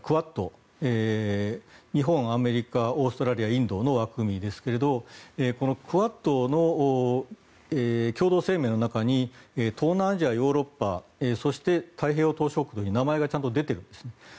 これは日本、アメリカオーストラリアインドの枠組みですがこのクアッドの共同声明の中に東南アジア、ヨーロッパそして太平洋島しょ国と名前が出ているんですね。